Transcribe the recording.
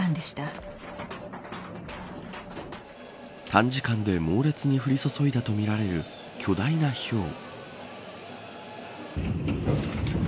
短時間で猛烈に降り注いだとみられる巨大なひょう。